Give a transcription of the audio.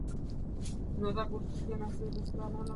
Jako všichni mám z tohoto vývoje radost.